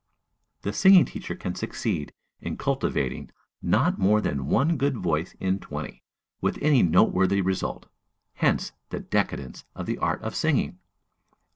"The singing teacher can succeed in cultivating not more than one good voice in twenty, with any noteworthy result. Hence the decadence of the art of singing."